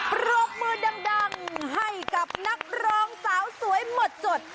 ปรบมือดังให้กับนักร้องสาวสวยหมดจด